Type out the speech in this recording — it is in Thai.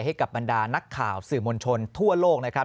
ให้กับบรรดานักข่าวสื่อมวลชนทั่วโลกนะครับ